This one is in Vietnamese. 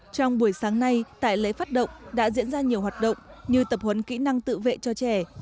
trong buổi sáng nay tại lễ phát động đã diễn ra nhiều hoạt động như tập huấn kỹ năng tự vệ cho trẻ